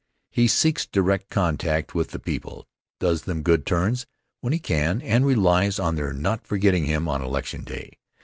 He seeks direct contact with the people, does them good turns when he can, and relies on their not forgetting him on election day.